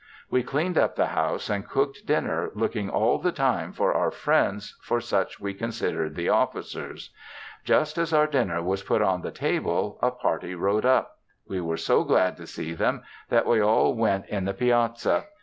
We cleaned up the house and cooked dinner, looking all the time for our friends for such we considered the officers. Just as our dinner was put on the table a party rode up; we were so glad to see them that we all went in the piazza.